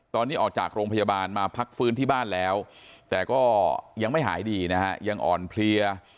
ตอนนี้ออกจากโรงพยาบาลมาพักฟื้นที่บ้านแล้วแต่ก็ยังไม่หายดีนะฮะยังอ่อนเพลีย